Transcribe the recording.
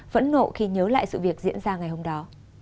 phẫn nộ khi nhớ lại sự việc diễn ra ngày hôm đó